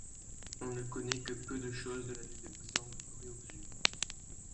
On ne connaît que peu de choses de la vie de Zhang Ruoxu.